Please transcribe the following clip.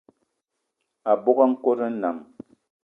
Abogo a nkòt nnam